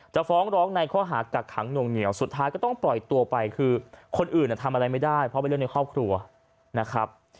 ฟ้องร้องในข้อหากักขังหน่วงเหนียวสุดท้ายก็ต้องปล่อยตัวไปคือคนอื่นทำอะไรไม่ได้เพราะเป็นเรื่องในครอบครัวนะครับ